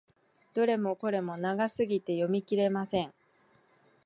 どれもこれも長すぎて読み切れません。